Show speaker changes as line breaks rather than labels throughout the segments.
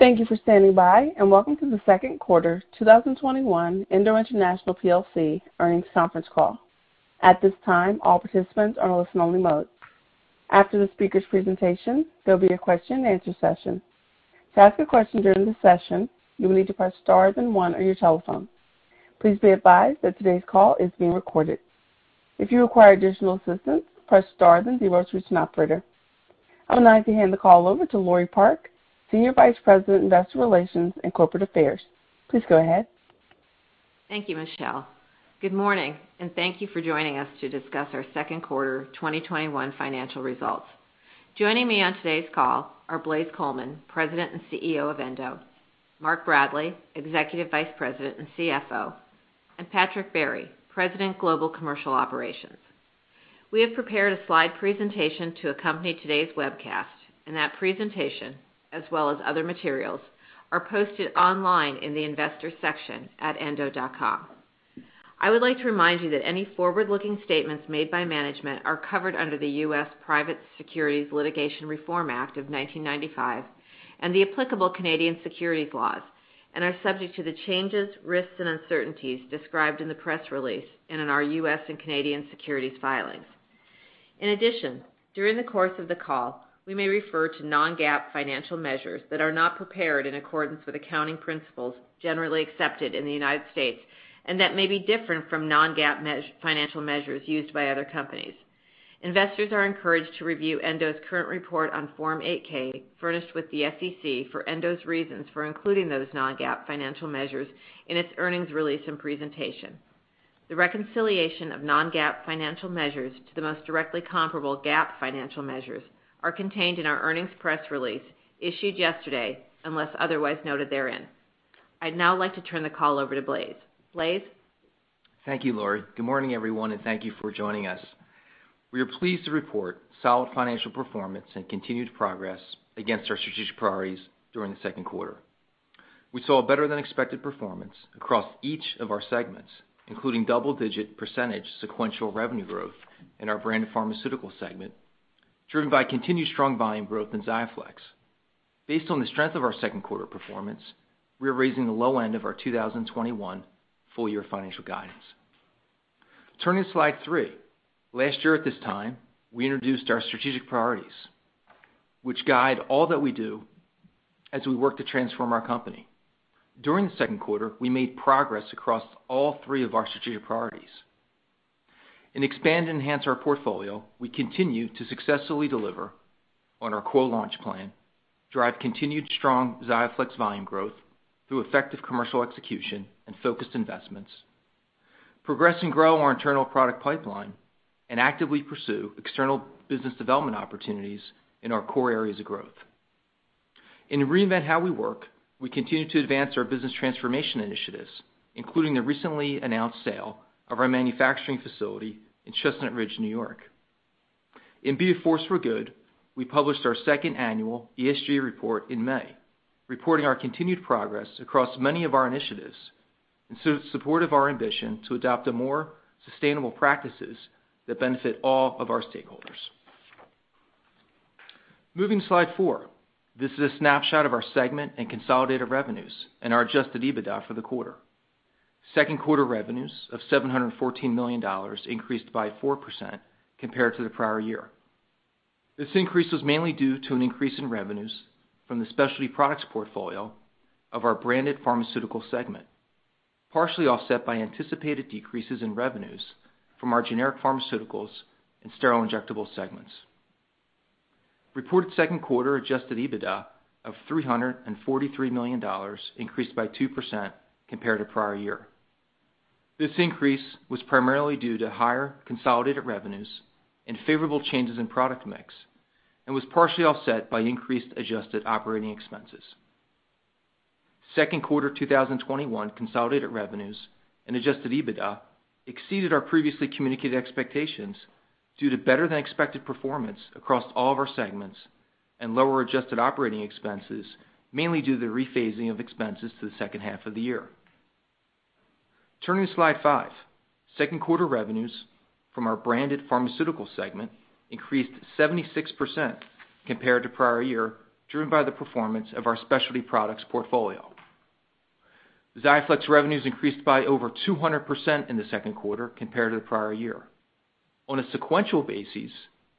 Thank you for standing by, and welcome to the second quarter 2021 Endo International plc earnings conference call. At this time, all participants are in listen only mode. After the speaker's presentation, there'll be a question and answer session. To ask a question during the session, you will need to press star then one on your telephone. Please be advised that today's call is being recorded. If you require additional assistance, press star then zero to reach an operator. I would now like to hand the call over to Laure Park, Senior Vice President, Investor Relations and Corporate Affairs. Please go ahead.
Thank you, Michelle. Good morning, and thank you for joining us to discuss our second quarter 2021 financial results. Joining me on today's call are Blaise Coleman, President and CEO of Endo, Mark Bradley, Executive Vice President and CFO, and Patrick Barry, President, Global Commercial Operations. We have prepared a slide presentation to accompany today's webcast, and that presentation, as well as other materials, are posted online in the investors section at endo.com. I would like to remind you that any forward-looking statements made by management are covered under the U.S. Private Securities Litigation Reform Act of 1995 and the applicable Canadian securities laws and are subject to the changes, risks, and uncertainties described in the press release and in our U.S. and Canadian securities filings. In addition, during the course of the call, we may refer to non-GAAP financial measures that are not prepared in accordance with accounting principles generally accepted in the United States and that may be different from non-GAAP financial measures used by other companies. Investors are encouraged to review Endo's current report on Form 8-K furnished with the SEC for Endo's reasons for including those non-GAAP financial measures in its earnings release and presentation. The reconciliation of non-GAAP financial measures to the most directly comparable GAAP financial measures are contained in our earnings press release issued yesterday unless otherwise noted therein. I'd now like to turn the call over to Blaise. Blaise?
Thank you, Laure. Good morning, everyone, and thank you for joining us. We are pleased to report solid financial performance and continued progress against our strategic priorities during the second quarter. We saw a better than expected performance across each of our segments, including double-digit percentage sequential revenue growth in our branded pharmaceutical segment, driven by continued strong volume growth in XIAFLEX. Based on the strength of our second quarter performance, we are raising the low end of our 2021 full-year financial guidance. Turning to slide three. Last year at this time, we introduced our strategic priorities, which guide all that we do as we work to transform our company. During the second quarter, we made progress across all three of our strategic priorities. In expand and enhance our portfolio, we continued to successfully deliver on our core launch plan, drive continued strong XIAFLEX volume growth through effective commercial execution and focused investments, progress and grow our internal product pipeline, and actively pursue external business development opportunities in our core areas of growth. In reinvent how we work, we continued to advance our business transformation initiatives, including the recently announced sale of our manufacturing facility in Chestnut Ridge, New York. In be a force for good, we published our second annual ESG report in May, reporting our continued progress across many of our initiatives in support of our ambition to adopt a more sustainable practices that benefit all of our stakeholders. Moving to slide four. This is a snapshot of our segment and consolidated revenues and our adjusted EBITDA for the quarter. Second quarter revenues of $714 million increased by 4% compared to the prior year. This increase was mainly due to an increase in revenues from the specialty products portfolio of our branded pharmaceutical segment, partially offset by anticipated decreases in revenues from our generic pharmaceuticals and sterile injectables segments. Reported Second quarter adjusted EBITDA of $343 million increased by 2% compared to prior year. This increase was primarily due to higher consolidated revenues and favorable changes in product mix and was partially offset by increased adjusted operating expenses. Second quarter 2021 consolidated revenues and adjusted EBITDA exceeded our previously communicated expectations due to better than expected performance across all of our segments and lower adjusted operating expenses, mainly due to the rephasing of expenses to the second half of the year. Turning to slide five. Second quarter revenues from our branded pharmaceutical segment increased 76% compared to prior year, driven by the performance of our specialty products portfolio. XIAFLEX revenues increased by over 200% in the second quarter compared to the prior year. On a sequential basis,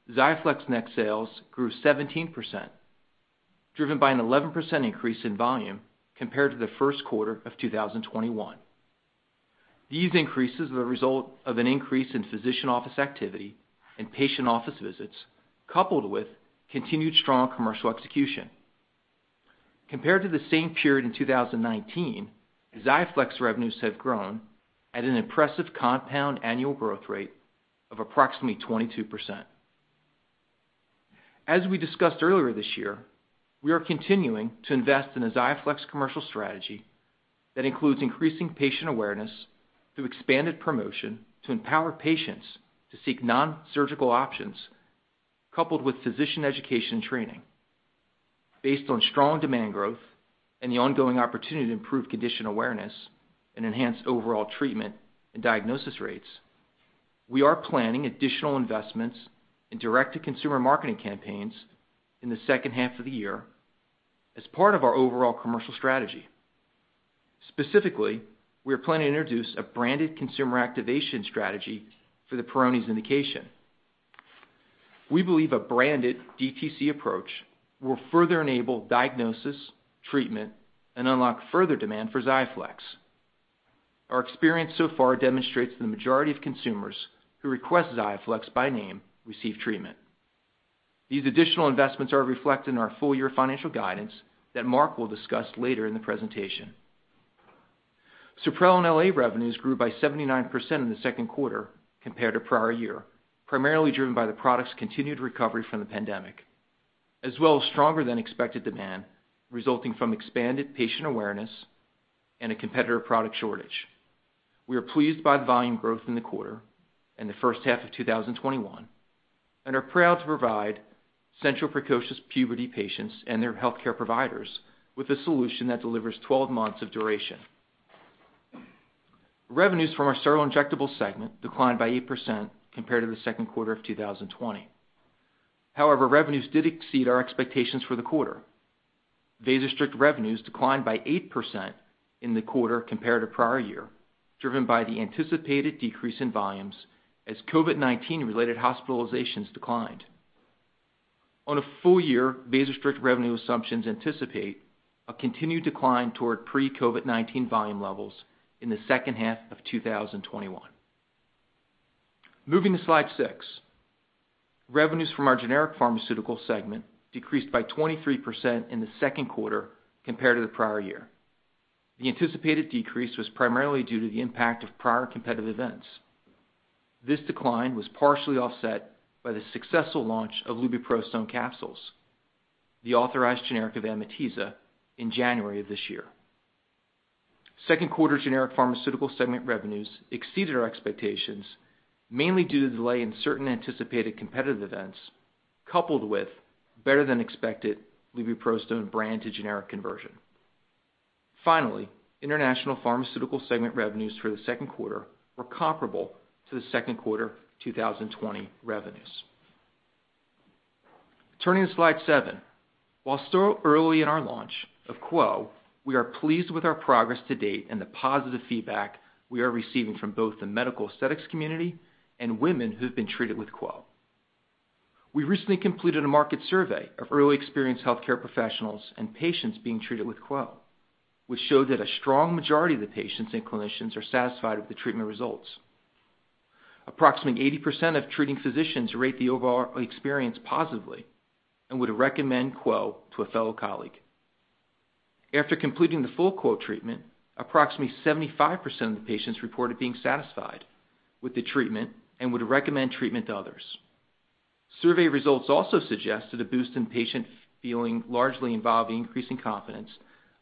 XIAFLEX net sales grew 17%, driven by an 11% increase in volume compared to the first quarter of 2021. These increases were the result of an increase in physician office activity and patient office visits, coupled with continued strong commercial execution. Compared to the same period in 2019, XIAFLEX revenues have grown at an impressive compound annual growth rate of approximately 22%. As we discussed earlier this year, we are continuing to invest in a XIAFLEX commercial strategy that includes increasing patient awareness through expanded promotion to empower patients to seek non-surgical options, coupled with physician education and training. Based on strong demand growth and the ongoing opportunity to improve condition awareness and enhance overall treatment and diagnosis rates. We are planning additional investments in direct-to-consumer marketing campaigns in the second half of the year as part of our overall commercial strategy. Specifically, we are planning to introduce a branded consumer activation strategy for the Peyronie's indication. We believe a branded DTC approach will further enable diagnosis, treatment, and unlock further demand for XIAFLEX. Our experience so far demonstrates that the majority of consumers who request XIAFLEX by name receive treatment. These additional investments are reflected in our full-year financial guidance that Mark will discuss later in the presentation. SUPPRELIN LA revenues grew by 79% in the second quarter compared to prior year, primarily driven by the product's continued recovery from the pandemic, as well as stronger than expected demand resulting from expanded patient awareness and a competitor product shortage. We are pleased by the volume growth in the quarter and the first half of 2021 and are proud to provide central precocious puberty patients and their healthcare providers with a solution that delivers 12 months of duration. Revenues from our sterile injectable segment declined by 8% compared to the second quarter of 2020. Revenues did exceed our expectations for the quarter. VASOSTRICT revenues declined by 8% in the quarter compared to prior year, driven by the anticipated decrease in volumes as COVID-19 related hospitalizations declined. On a full year, VASOSTRICT revenue assumptions anticipate a continued decline toward pre-COVID-19 volume levels in the second half of 2021. Moving to slide six, revenues from our generic pharmaceutical segment decreased by 23% in the second quarter compared to the prior year. The anticipated decrease was primarily due to the impact of prior competitive events. This decline was partially offset by the successful launch of lubiprostone capsules, the authorized generic of Amitiza in January of this year. Second quarter generic pharmaceutical segment revenues exceeded our expectations, mainly due to the delay in certain anticipated competitive events, coupled with better than expected lubiprostone brand to generic conversion. International pharmaceutical segment revenues through the second quarter were comparable to the second quarter 2020 revenues. Turning to slide seven. While still early in our launch of QWO, we are pleased with our progress to date and the positive feedback we are receiving from both the medical aesthetics community and women who have been treated with QWO. We recently completed a market survey of early experience healthcare professionals and patients being treated with QWO, which showed that a strong majority of the patients and clinicians are satisfied with the treatment results. Approximately 80% of treating physicians rate the overall experience positively and would recommend QWO to a fellow colleague. After completing the full QWO treatment, approximately 75% of the patients reported being satisfied with the treatment and would recommend treatment to others. Survey results also suggested a boost in patient feeling, largely involving increasing confidence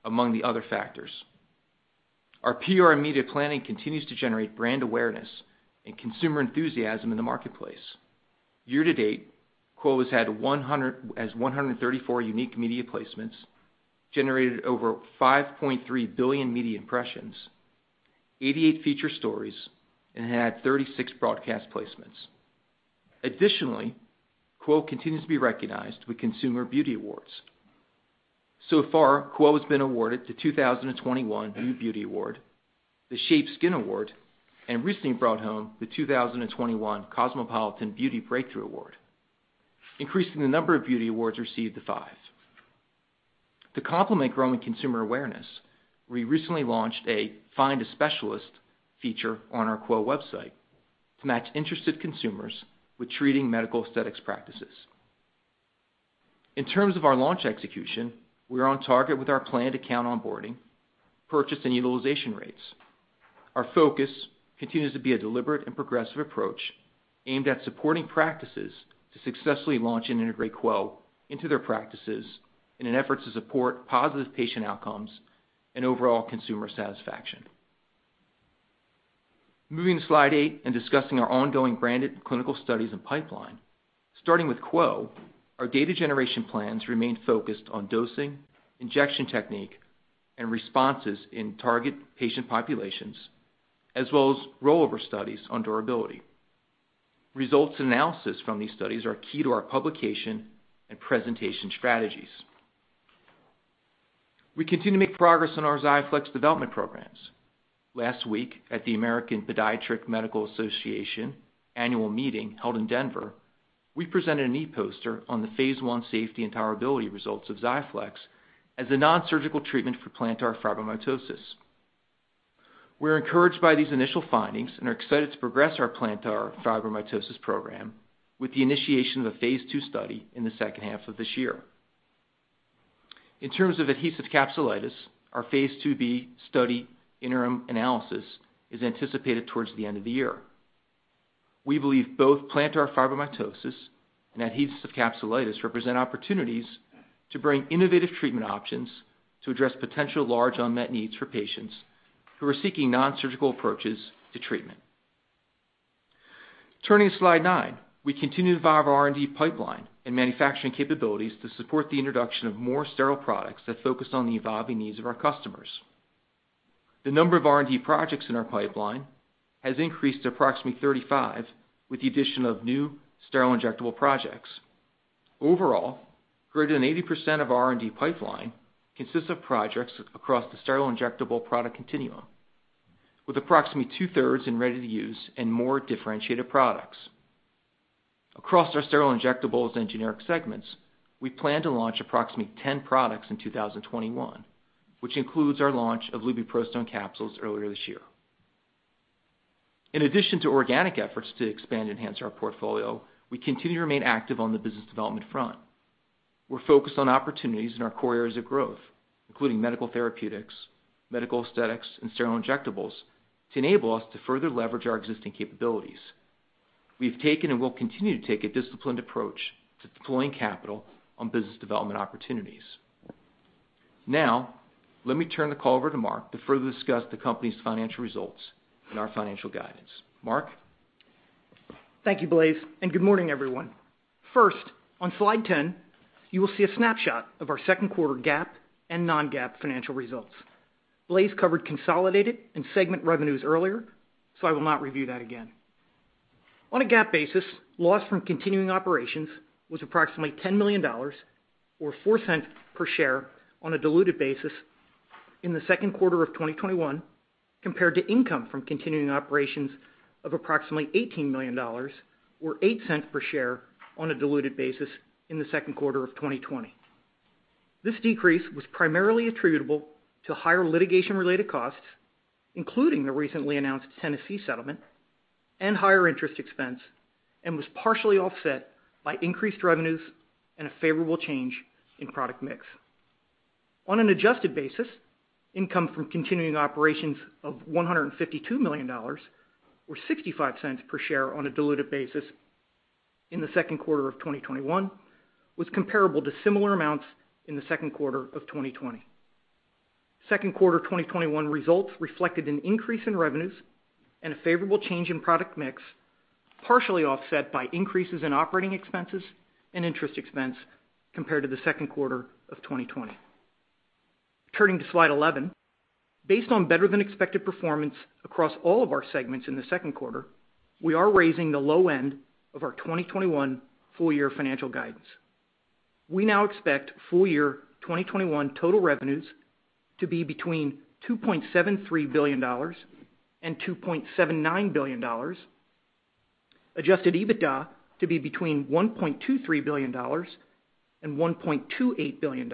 among the other factors. Our PR and media planning continues to generate brand awareness and consumer enthusiasm in the marketplace. Year to date, QWO has 134 unique media placements, generated over 5.3 billion media impressions, 88 feature stories, and had 36 broadcast placements. Additionally, QWO continues to be recognized with consumer beauty awards. So far, QWO has been awarded the 2021 NewBeauty Award, the SHAPE Beauty Award, and recently brought home the 2021 Cosmopolitan Beauty Breakthrough Award, increasing the number of beauty awards received to five. To complement growing consumer awareness, we recently launched a Find a Specialist feature on our QWO website to match interested consumers with treating medical aesthetics practices. In terms of our launch execution, we are on target with our planned account onboarding, purchase, and utilization rates. Our focus continues to be a deliberate and progressive approach aimed at supporting practices to successfully launch and integrate QWO into their practices in an an effort to support positive patient outcomes and overall consumer satisfaction. Moving to slide eight and discussing our ongoing branded clinical studies and pipeline. Starting with QWO, our data generation plans remain focused on dosing, injection technique, and responses in target patient populations, as well as rollover studies on durability. Results analysis from these studies are key to our publication and presentation strategies. We continue to make progress on our XIAFLEX development programs. Last week at the American Podiatric Medical Association annual meeting held in Denver, we presented an e-poster on the phase I safety and tolerability results of XIAFLEX as a nonsurgical treatment for plantar fibromatosis. We're encouraged by these initial findings and are excited to progress our plantar fibromatosis program with the initiation of a phase II study in the second half of this year. In terms of adhesive capsulitis, our phase II-B study interim analysis is anticipated towards the end of the year. We believe both plantar fibromatosis and adhesive capsulitis represent opportunities to bring innovative treatment options to address potential large unmet needs for patients who are seeking nonsurgical approaches to treatment. Turning to slide nine. We continue to evolve our R&D pipeline and manufacturing capabilities to support the introduction of more sterile products that focus on the evolving needs of our customers. The number of R&D projects in our pipeline has increased to approximately 35, with the addition of new sterile injectable projects. Overall, greater than 80% of our R&D pipeline consists of projects across the sterile injectable product continuum, with approximately two-thirds in ready-to-use and more differentiated products. Across our sterile injectables and generic segments, we plan to launch approximately 10 products in 2021, which includes our launch of lubiprostone capsules earlier this year. In addition to organic efforts to expand and enhance our portfolio, we continue to remain active on the business development front. We're focused on opportunities in our core areas of growth, including medical therapeutics, medical aesthetics, and sterile injectables to enable us to further leverage our existing capabilities. We've taken and will continue to take a disciplined approach to deploying capital on business development opportunities. Let me turn the call over to Mark to further discuss the company's financial results and our financial guidance. Mark?
Thank you, Blaise, and good morning, everyone. First, on slide 10, you will see a snapshot of our second quarter GAAP and non-GAAP financial results. Blaise covered consolidated and segment revenues earlier, so I will not review that again. On a GAAP basis, loss from continuing operations was approximately $10 million, or $0.04 per share on a diluted basis in the second quarter of 2021, compared to income from continuing operations of approximately $18 million, or $0.08 per share on a diluted basis in the second quarter of 2020. This decrease was primarily attributable to higher litigation-related costs, including the recently announced Tennessee settlement and higher interest expense, and was partially offset by increased revenues and a favorable change in product mix. On an adjusted basis, income from continuing operations of $152 million, or $0.65 per share on a diluted basis in the second quarter of 2021, was comparable to similar amounts in the second quarter of 2020. Second quarter 2021 results reflected an increase in revenues and a favorable change in product mix, partially offset by increases in operating expenses and interest expense compared to the second quarter of 2020. Turning to slide 11. Based on better-than-expected performance across all of our segments in the second quarter, we are raising the low end of our 2021 full-year financial guidance. We now expect full-year 2021 total revenues to be between $2.73 billion and $2.79 billion, adjusted EBITDA to be between $1.23 billion and $1.28 billion,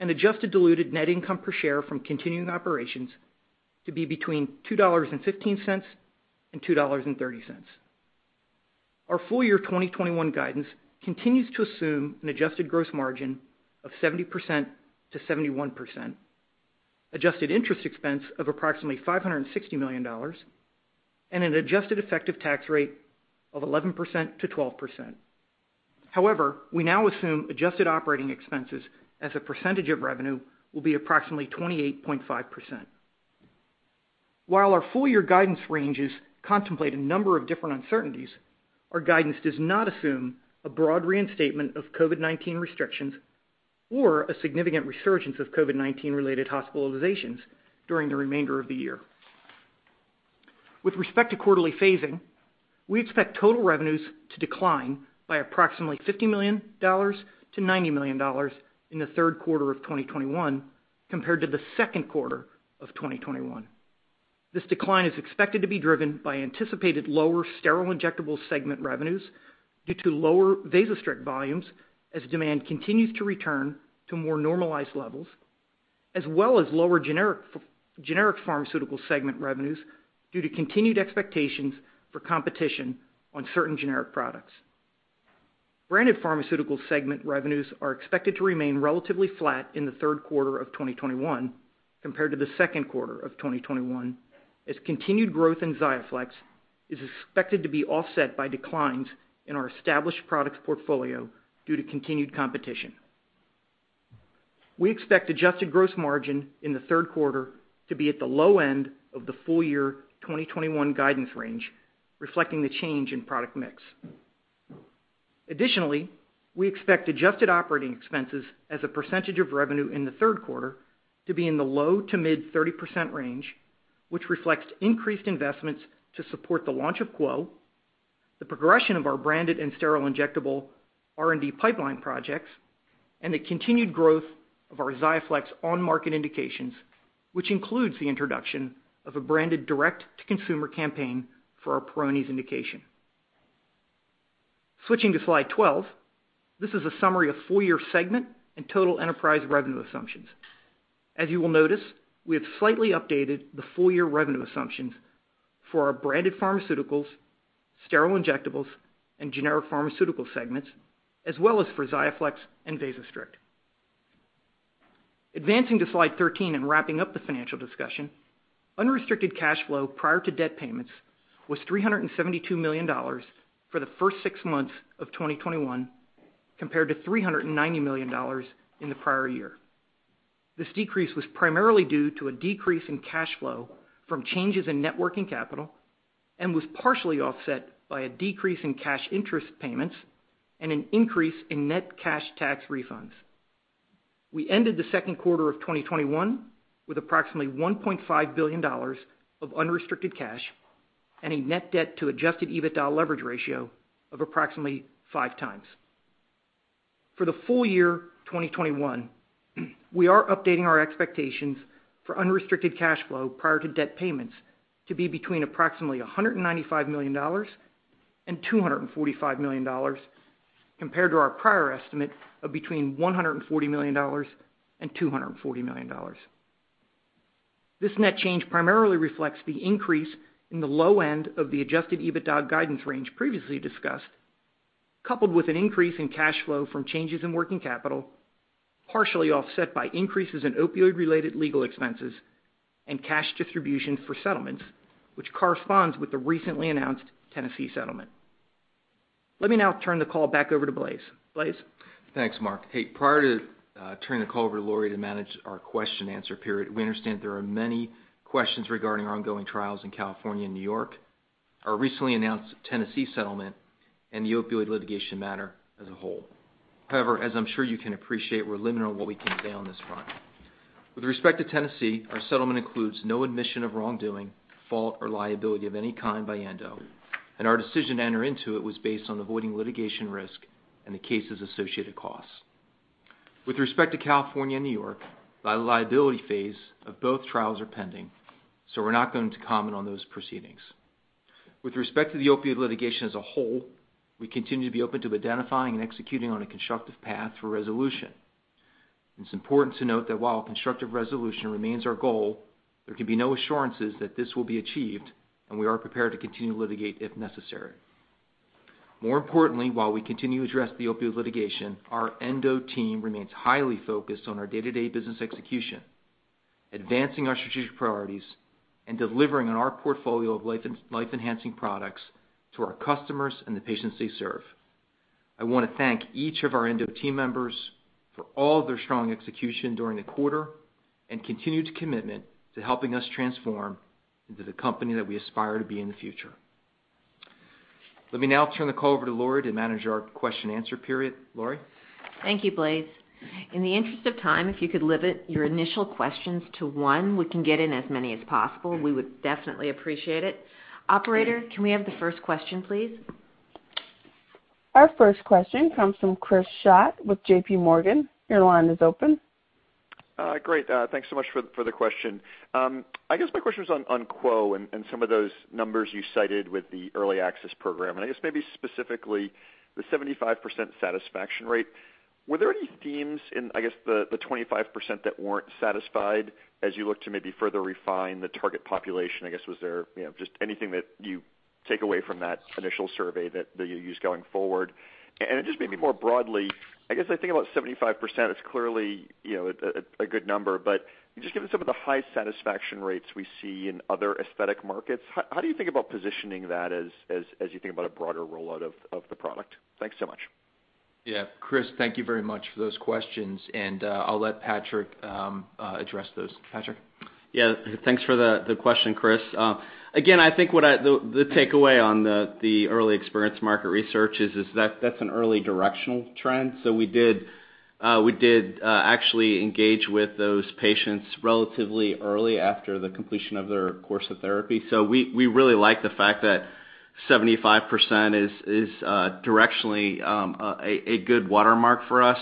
and adjusted diluted net income per share from continuing operations to be between $2.15 and $2.30. Our full-year 2021 guidance continues to assume an adjusted gross margin of 70%-71%, adjusted interest expense of approximately $560 million, and an adjusted effective tax rate of 11%-12%. However, we now assume adjusted operating expenses as a percentage of revenue will be approximately 28.5%. While our full-year guidance ranges contemplate a number of different uncertainties, our guidance does not assume a broad reinstatement of COVID-19 restrictions or a significant resurgence of COVID-19 related hospitalizations during the remainder of the year. With respect to quarterly phasing, we expect total revenues to decline by approximately $50 million-$90 million in the third quarter of 2021, compared to the second quarter of 2021. This decline is expected to be driven by anticipated lower sterile injectable segment revenues due to lower VASOSTRICT volumes as demand continues to return to more normalized levels, as well as lower generic pharmaceutical segment revenues due to continued expectations for competition on certain generic products. Branded pharmaceutical segment revenues are expected to remain relatively flat in the third quarter of 2021 compared to the second quarter of 2021, as continued growth in XIAFLEX is expected to be offset by declines in our established products portfolio due to continued competition. We expect adjusted gross margin in the third quarter to be at the low end of the full-year 2021 guidance range, reflecting the change in product mix. Additionally, we expect adjusted operating expenses as a percentage of revenue in the third quarter to be in the low to mid 30% range, which reflects increased investments to support the launch of QWO, the progression of our branded and sterile injectable R&D pipeline projects, and the continued growth of our XIAFLEX on-market indications, which includes the introduction of a branded direct-to-consumer campaign for our Peyronie's indication. Switching to slide 12. This is a summary of full-year segment and total enterprise revenue assumptions. As you will notice, we have slightly updated the full-year revenue assumptions for our branded pharmaceuticals, sterile injectables, and generic pharmaceutical segments, as well as for XIAFLEX and VASOSTRICT. Advancing to slide 13 and wrapping up the financial discussion. Unrestricted cash flow prior to debt payments was $372 million for the first six months of 2021, compared to $390 million in the prior year. This decrease was primarily due to a decrease in cash flow from changes in net working capital and was partially offset by a decrease in cash interest payments. An increase in net cash tax refunds. We ended the second quarter of 2021 with approximately $1.5 billion of unrestricted cash and a net debt to adjusted EBITDA leverage ratio of approximately 5 times. For the full year 2021, we are updating our expectations for unrestricted cash flow prior to debt payments to be between approximately $195 million and $245 million compared to our prior estimate of between $140 million and $240 million. This net change primarily reflects the increase in the low end of the adjusted EBITDA guidance range previously discussed, coupled with an increase in cash flow from changes in working capital, partially offset by increases in opioid-related legal expenses and cash distribution for settlements, which corresponds with the recently announced Tennessee settlement. Let me now turn the call back over to Blaise. Blaise?
Thanks, Mark. Hey, prior to turning the call over to Laure to manage our question answer period, we understand there are many questions regarding our ongoing trials in California and N.Y., our recently announced Tennessee settlement, and the opioid litigation matter as a whole. As I'm sure you can appreciate, we're limited on what we can say on this front. With respect to Tennessee, our settlement includes no admission of wrongdoing, fault, or liability of any kind by Endo, and our decision to enter into it was based on avoiding litigation risk and the case's associated costs. With respect to California and N.Y., the liability phase of both trials are pending. We're not going to comment on those proceedings. With respect to the opioid litigation as a whole, we continue to be open to identifying and executing on a constructive path for resolution. It's important to note that while a constructive resolution remains our goal, there can be no assurances that this will be achieved, and we are prepared to continue to litigate if necessary. More importantly, while we continue to address the opioid litigation, our Endo team remains highly focused on our day-to-day business execution, advancing our strategic priorities, and delivering on our portfolio of life-enhancing products to our customers and the patients they serve. I want to thank each of our Endo team members for all their strong execution during the quarter and continued commitment to helping us transform into the company that we aspire to be in the future. Let me now turn the call over to Laure to manage our question and answer period. Laure?
Thank you, Blaise. In the interest of time, if you could limit your initial questions to one, we can get in as many as possible. We would definitely appreciate it. Operator, can we have the first question, please?
Our first question comes from Chris Schott with JPMorgan. Your line is open.
Great. Thanks so much for the question. I guess my question is on QWO and some of those numbers you cited with the early access program, and I guess maybe specifically the 75% satisfaction rate. Were there any themes in, I guess, the 25% that weren't satisfied as you look to maybe further refine the target population? I guess, was there just anything that you take away from that initial survey that you'll use going forward? Just maybe more broadly, I guess I think about 75%, it's clearly a good number. Just given some of the high satisfaction rates we see in other aesthetic markets, how do you think about positioning that as you think about a broader rollout of the product? Thanks so much.
Yeah. Chris, thank you very much for those questions, and I'll let Patrick address those. Patrick?
Yeah. Thanks for the question, Chris. Again, I think the takeaway on the early experience market research is that that's an early directional trend. We did actually engage with those patients relatively early after the completion of their course of therapy. We really like the fact that 75% is directionally a good watermark for us.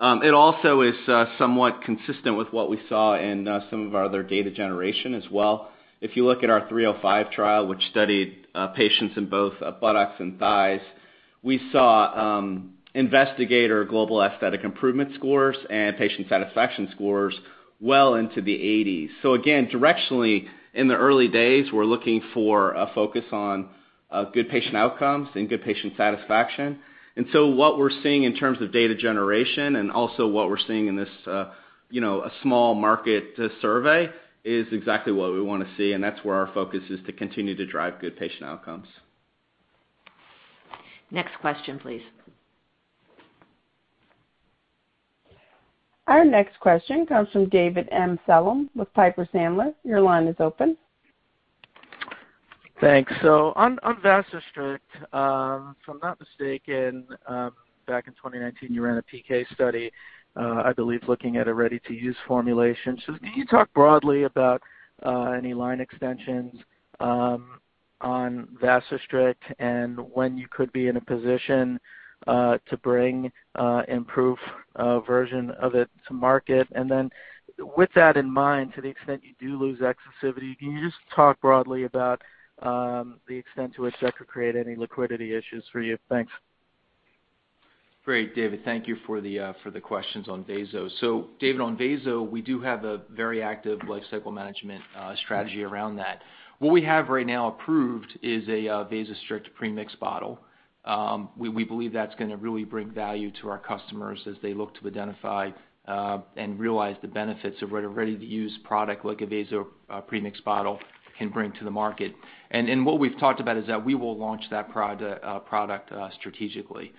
It also is somewhat consistent with what we saw in some of our other data generation as well. If you look at our 305 trial, which studied patients in both buttocks and thighs, we saw investigator global aesthetic improvement scores and patient satisfaction scores well into the 80s. Again, directionally, in the early days, we're looking for a focus on good patient outcomes and good patient satisfaction. What we're seeing in terms of data generation and also what we're seeing in this small market survey is exactly what we want to see, and that's where our focus is to continue to drive good patient outcomes.
Next question, please.
Our next question comes from David Amsellem with Piper Sandler. Your line is open.
Thanks. On VASOSTRICT, if I'm not mistaken, back in 2019, you ran a PK study, I believe, looking at a ready-to-use formulation. Can you talk broadly about any line extensions on VASOSTRICT and when you could be in a position to bring improved version of it to market? Then with that in mind, to the extent you do lose exclusivity, can you just talk broadly about the extent to which that could create any liquidity issues for you? Thanks.
Great, David. Thank you for the questions on VASOSTRICT. David, on VASOSTRICT, we do have a very active lifecycle management strategy around that. What we have right now approved is a VASOSTRICT premix bottle. We believe that's going to really bring value to our customers as they look to identify and realize the benefits of what a ready-to-use product like a VASOSTRICT premix bottle can bring to the market. What we've talked about is that we will launch that product strategically.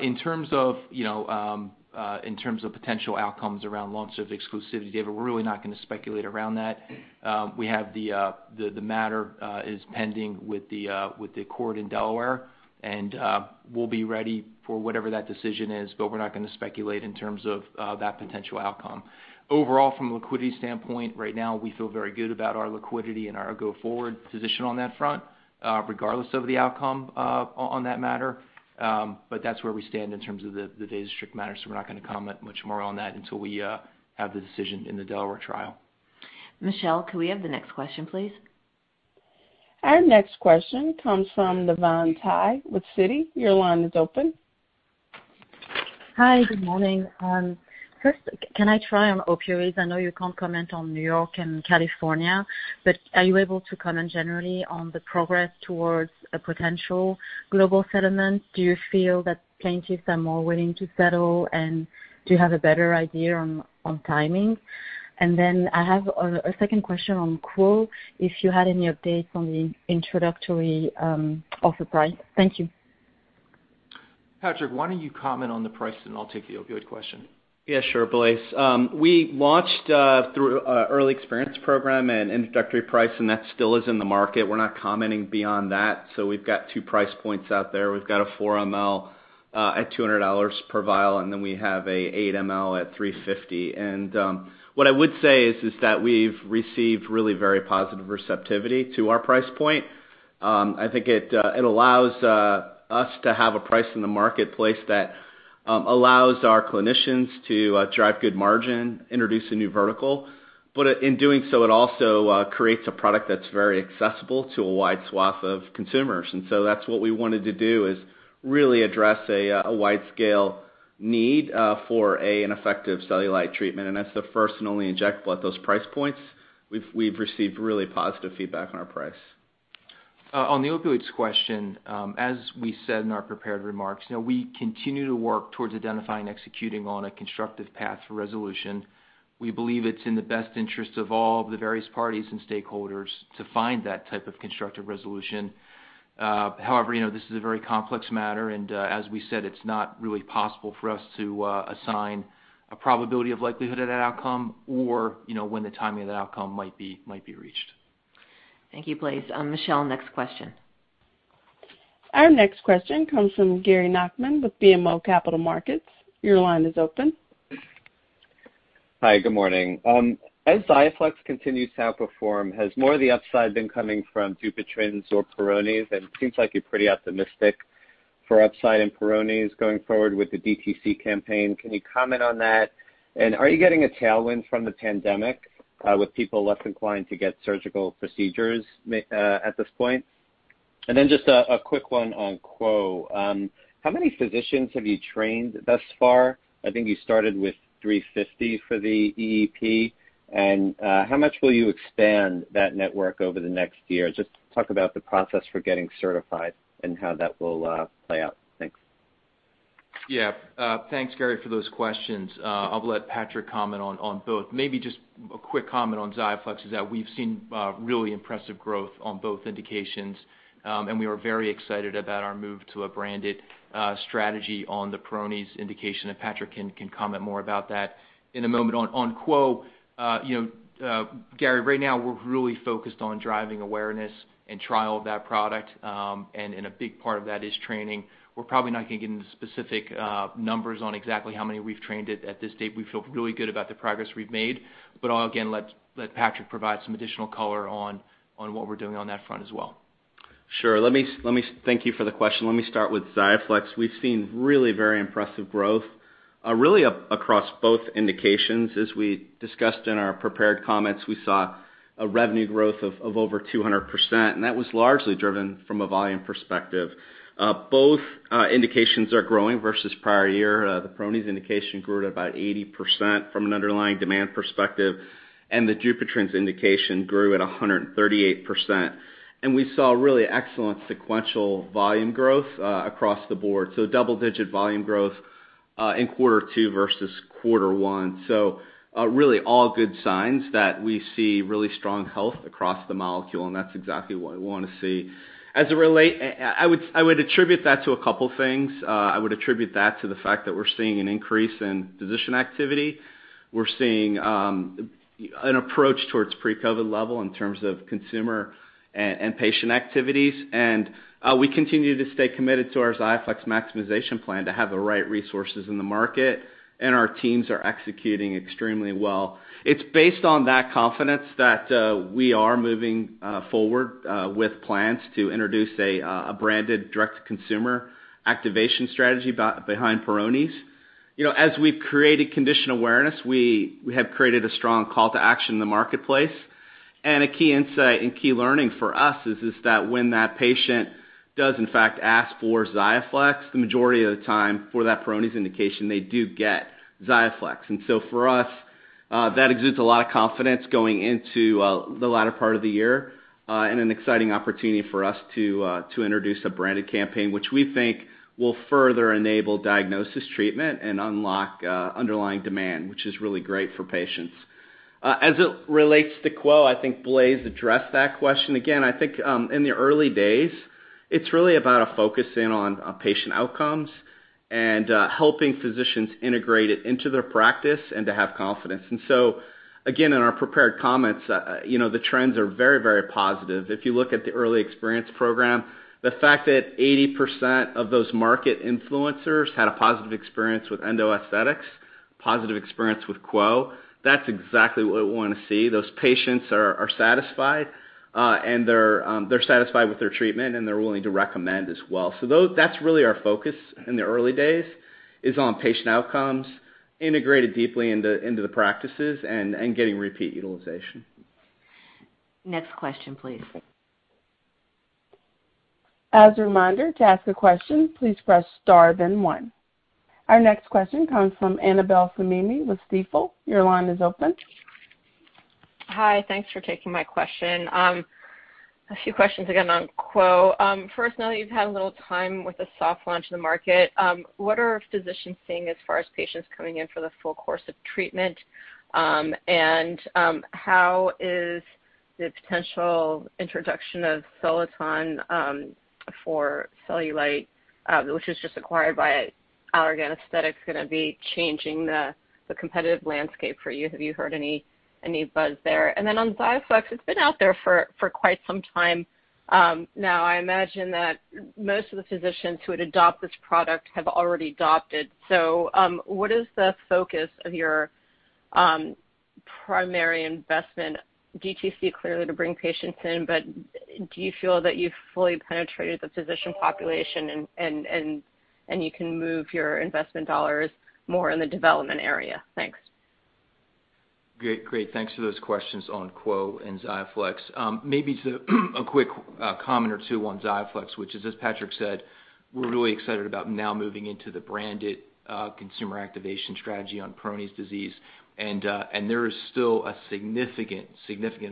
In terms of potential outcomes around loss of exclusivity, David, we're really not going to speculate around that. The matter is pending with the court in Delaware, and we'll be ready for whatever that decision is, but we're not going to speculate in terms of that potential outcome. Overall, from a liquidity standpoint, right now, we feel very good about our liquidity and our go-forward position on that front, regardless of the outcome on that matter. That's where we stand in terms of the VASOSTRICT matter, so we're not going to comment much more on that until we have the decision in the Delaware trial.
Michelle, could we have the next question, please?
Our next question comes from Navann Ty with Citi. Your line is open.
Hi. Good morning. First, can I try on opioids? I know you can't comment on New York and California, are you able to comment generally on the progress towards a potential global settlement? Do you feel that plaintiffs are more willing to settle, and do you have a better idea on timing? I have a second question on QWO, if you had any updates on the introductory offer price. Thank you.
Patrick, why don't you comment on the price and I'll take the opioid question?
Sure, Blaise. We launched through an early experience program an introductory price, and that still is in the market. We're not commenting beyond that. We've got two price points out there. We've got a 4 ml at $200 per vial, and then we have an 8 ml at $350. What I would say is that we've received really very positive receptivity to our price point. I think it allows us to have a price in the marketplace that allows our clinicians to drive good margin, introduce a new vertical, but in doing so, it also creates a product that's very accessible to a wide swath of consumers. That's what we wanted to do, is really address a wide-scale need for an effective cellulite treatment. That's the first and only injectable at those price points. We've received really positive feedback on our price.
On the opioids question, as we said in our prepared remarks, we continue to work towards identifying and executing on a constructive path to resolution. We believe it's in the best interest of all the various parties and stakeholders to find that type of constructive resolution. However, this is a very complex matter, and as we said, it's not really possible for us to assign a probability of likelihood of that outcome or when the timing of that outcome might be reached.
Thank you, Blaise. Michelle, next question.
Our next question comes from Gary Nachman with BMO Capital Markets. Your line is open.
Hi. Good morning. As XIAFLEX continues to outperform, has more of the upside been coming from Dupuytren's or Peyronie's? It seems like you're pretty optimistic for upside in Peyronie's going forward with the DTC campaign. Can you comment on that? Are you getting a tailwind from the pandemic, with people less inclined to get surgical procedures at this point? Just a quick one on QWO. How many physicians have you trained thus far? I think you started with 350 for the EEP. How much will you expand that network over the next year? Just talk about the process for getting certified and how that will play out. Thanks.
Yeah. Thanks, Gary, for those questions. I'll let Patrick comment on both. Maybe just a quick comment on XIAFLEX is that we've seen really impressive growth on both indications, and we are very excited about our move to a branded strategy on the Peyronie's indication, and Patrick can comment more about that in a moment. On QWO, Gary, right now, we're really focused on driving awareness and trial of that product. A big part of that is training. We're probably not going to get into specific numbers on exactly how many we've trained at this date. We feel really good about the progress we've made, but I'll again let Patrick provide some additional color on what we're doing on that front as well.
Sure. Thank you for the question. Let me start with XIAFLEX. We've seen really very impressive growth really across both indications. As we discussed in our prepared comments, we saw a revenue growth of over 200%. That was largely driven from a volume perspective. Both indications are growing versus prior year. The Peyronie's indication grew at about 80% from an underlying demand perspective. The Dupuytren's indication grew at 138%. We saw really excellent sequential volume growth across the board, so double-digit volume growth in quarter two versus quarter one. Really all good signs that we see really strong health across the molecule, and that's exactly what we want to see. I would attribute that to a couple things. I would attribute that to the fact that we're seeing an increase in physician activity. We're seeing an approach towards pre-COVID level in terms of consumer and patient activities. We continue to stay committed to our XIAFLEX maximization plan to have the right resources in the market, and our teams are executing extremely well. It's based on that confidence that we are moving forward with plans to introduce a branded direct-to-consumer activation strategy behind Peyronie's. As we've created condition awareness, we have created a strong call to action in the marketplace. A key insight and key learning for us is that when that patient does in fact ask for XIAFLEX, the majority of the time for that Peyronie's indication, they do get XIAFLEX. For us, that exudes a lot of confidence going into the latter part of the year and an exciting opportunity for us to introduce a branded campaign, which we think will further enable diagnosis treatment and unlock underlying demand, which is really great for patients. As it relates to QWO, I think Blaise addressed that question. Again, I think in the early days, it's really about a focus in on patient outcomes and helping physicians integrate it into their practice and to have confidence. Again, in our prepared comments, the trends are very positive. If you look at the early experience program, the fact that 80% of those market influencers had a positive experience with Endo Aesthetics, positive experience with QWO, that's exactly what we want to see. Those patients are satisfied with their treatment, and they're willing to recommend as well. That's really our focus in the early days, is on patient outcomes integrated deeply into the practices and getting repeat utilization.
Next question, please.
As a reminder, to ask a question, please press star then one. Our next question comes from Annabel Samimy with Stifel. Your line is open.
Hi. Thanks for taking my question. A few questions again on QWO. First, now that you've had a little time with the soft launch in the market, what are physicians seeing as far as patients coming in for the full course of treatment? How is the potential introduction of Soliton for cellulite, which was just acquired by Allergan Aesthetics, going to be changing the competitive landscape for you? Have you heard any buzz there? On XIAFLEX, it's been out there for quite some time now. I imagine that most of the physicians who would adopt this product have already adopted. What is the focus of your primary investment? DTC, clearly, to bring patients in, but do you feel that you've fully penetrated the physician population and you can move your investment dollars more in the development area? Thanks.
Great. Thanks for those questions on QWO and XIAFLEX. Maybe a quick comment or two on XIAFLEX, which is, as Patrick said, we're really excited about now moving into the branded consumer activation strategy on Peyronie's disease. There is still a significant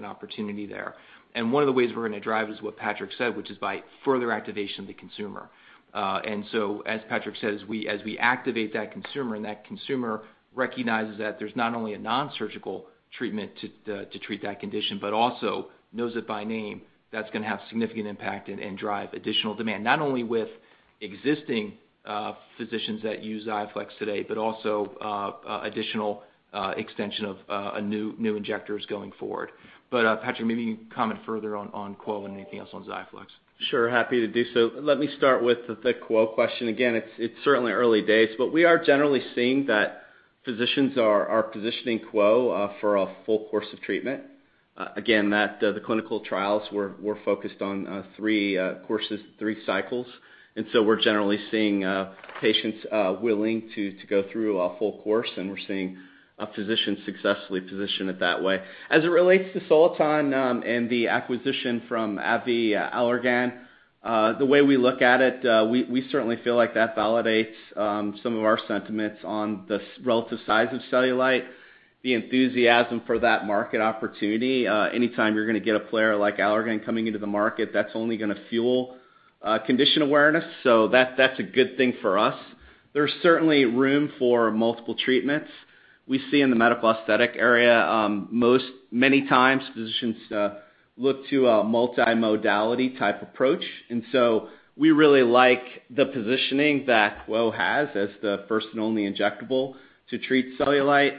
opportunity there. One of the ways we're going to drive is what Patrick said, which is by further activation of the consumer. As Patrick says, as we activate that consumer, and that consumer recognizes that there's not only a non-surgical treatment to treat that condition but also knows it by name, that's going to have significant impact and drive additional demand, not only with existing physicians that use XIAFLEX today, but also additional extension of new injectors going forward. Patrick, maybe you can comment further on QWO and anything else on XIAFLEX.
Sure, happy to do so. Let me start with the QWO question. Again, it's certainly early days, but we are generally seeing that physicians are positioning QWO for a full course of treatment. Again, the clinical trials were focused on three courses, three cycles. We're generally seeing patients willing to go through a full course, and we're seeing physicians successfully position it that way. As it relates to Soliton and the acquisition from AbbVie Allergan, the way we look at it, we certainly feel like that validates some of our sentiments on the relative size of cellulite, the enthusiasm for that market opportunity. Anytime you're going to get a player like Allergan coming into the market, that's only going to fuel condition awareness. That's a good thing for us. There's certainly room for multiple treatments. We see in the medical aesthetic area, many times physicians look to a multimodality type approach. We really like the positioning that QWO has as the first and only injectable to treat cellulite.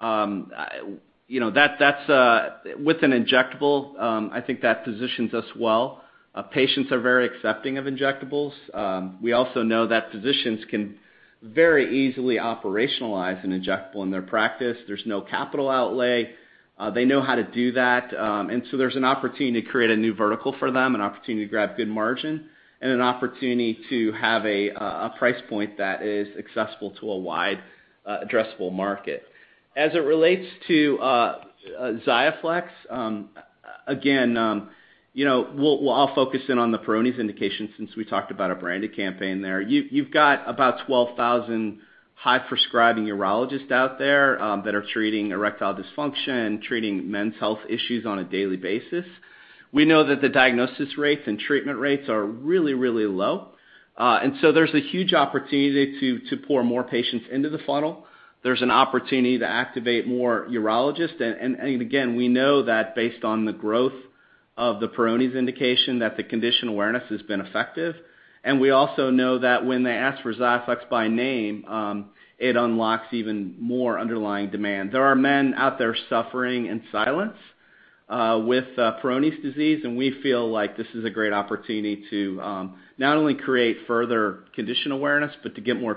With an injectable, I think that positions us well. Patients are very accepting of injectables. We also know that physicians can very easily operationalize an injectable in their practice. There's no capital outlay. They know how to do that. There's an opportunity to create a new vertical for them, an opportunity to grab good margin, and an opportunity to have a price point that is accessible to a wide addressable market. As it relates to XIAFLEX, again, I'll focus in on the Peyronie's indication since we talked about a branded campaign there. You've got about 12,000 high-prescribing urologists out there that are treating erectile dysfunction, treating men's health issues on a daily basis. We know that the diagnosis rates and treatment rates are really low. There's a huge opportunity to pour more patients into the funnel. There's an opportunity to activate more urologists. Again, we know that based on the growth of the Peyronie's indication, that the condition awareness has been effective. We also know that when they ask for XIAFLEX by name, it unlocks even more underlying demand. There are men out there suffering in silence with Peyronie's disease, and we feel like this is a great opportunity to not only create further condition awareness, but to get more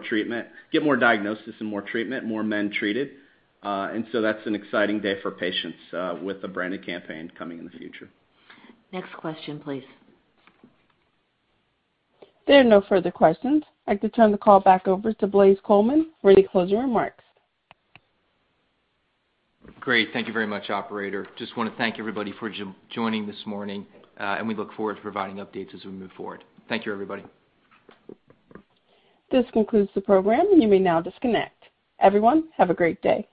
diagnosis and more treatment, more men treated. That's an exciting day for patients with a branded campaign coming in the future.
Next question, please.
There are no further questions. I'd like to turn the call back over to Blaise Coleman for any closing remarks.
Great. Thank you very much, operator. Just want to thank everybody for joining this morning, and we look forward to providing updates as we move forward. Thank you, everybody.
This concludes the program, and you may now disconnect. Everyone, have a great day.